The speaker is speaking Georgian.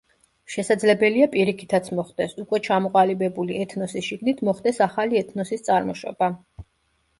შესაძლებელია პირიქითაც მოხდეს, უკვე ჩამოყალიბებული ეთნოსის შიგნით მოხდეს ახალი ეთნოსის წარმოშობა.